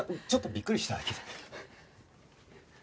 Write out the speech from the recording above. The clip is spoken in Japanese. ちょっとびっくりしただけで。